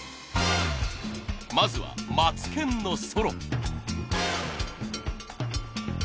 まずはマツケンのソロ。